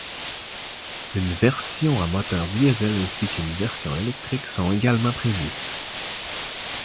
Une version à moteur Diesel ainsi qu'une version électrique sont également prévues.